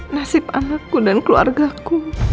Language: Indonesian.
nasib anakku dan keluarga ku